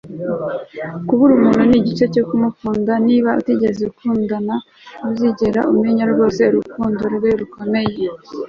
kubura umuntu ni igice cyo kumukunda niba utigeze utandukana, ntuzigera umenya rwose urukundo rwawe rukomeye